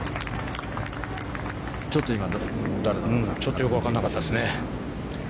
ちょっと誰なのかよく分からなかったですね。